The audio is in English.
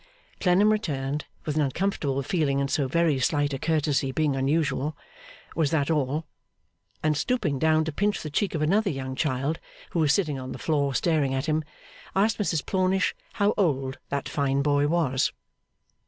Clennam returned, with an uncomfortable feeling in so very slight a courtesy being unusual, Was that all! And stooping down to pinch the cheek of another young child who was sitting on the floor, staring at him, asked Mrs Plornish how old that fine boy was?